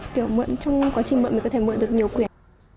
kiểu mượn trong quá trình mượn mình có thể mượn được nhiều quyền